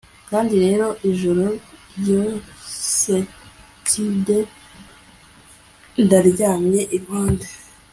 Kandi rero ijoro ryosetide ndaryamye iruhande